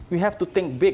kita harus berpikir besar